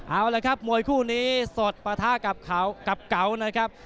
เอาล่ะครับมวยคู่นี้สดประทากับเก๋านะครับ